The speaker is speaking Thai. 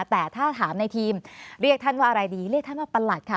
แต่ถ้าถามในทีมเรียกท่านว่าอะไรดีเรียกท่านว่าประหลัดค่ะ